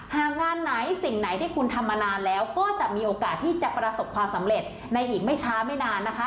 หากงานไหนสิ่งไหนที่คุณทำมานานแล้วก็จะมีโอกาสที่จะประสบความสำเร็จในอีกไม่ช้าไม่นานนะคะ